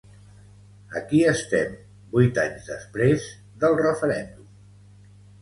Aquí estem, vuit anys després del referèndum.